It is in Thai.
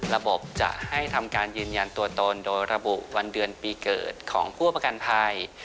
ระบบจะให้ทำการยืนยันตัวตนโดยระบุวันเดือนปีเกิดของผู้ประกันภัย